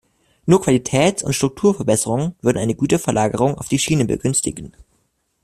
Nur Qualitäts- und Strukturverbesserungen würden eine Güterverlagerung auf die Schiene begünstigen.